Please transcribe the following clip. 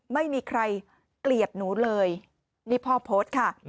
ไม่มีใครเกลียดหนูเลยนี่พ่อโพสต์ค่ะ